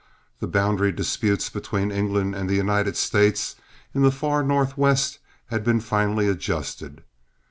The boundary disputes between England and the United States in the far Northwest had been finally adjusted.